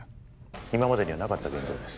今までにはなかった言動です